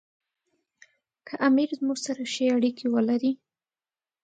که امیر زموږ سره ښې اړیکې ولري.